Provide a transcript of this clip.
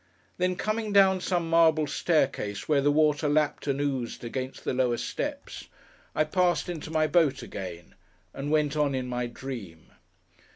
Then, coming down some marble staircase where the water lapped and oozed against the lower steps, I passed into my boat again, and went on in my dream.